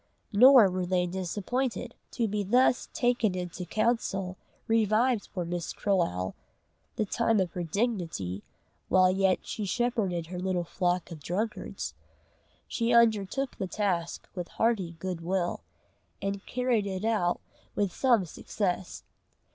Nor were they disappointed. To be thus taken into counsel revived for Mistress Croale the time of her dignity while yet she shepherded her little flock of drunkards. She undertook the task with hearty good will, and carried it out with some success.